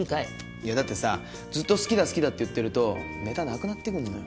いやだってさずっと好きだ好きだって言ってるとネタなくなってくるのよ。